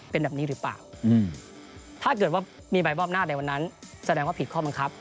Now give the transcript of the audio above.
เป็นแบบนี้หรือเปล่าถ้าเกิดว่ามีใบมอบอำนาจในวันนั้นแสดงว่าผิดข้อบังคับ